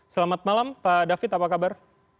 selamat malam pak david apa kabar